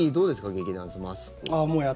劇団さん、マスク。